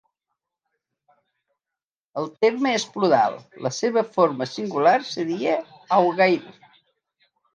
El terme és plural; la seva forma singular seria "aoghair".